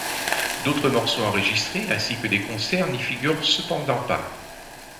D'autres morceaux enregistrés ainsi que des concerts n'y figurent cependant pas.